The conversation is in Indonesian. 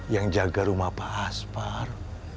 yang jaga rumah pak aspar